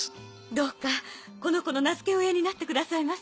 どうかこの子の名づけ親になってくださいませ。